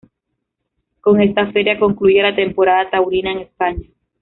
Con esta feria concluye la temporada taurina en España.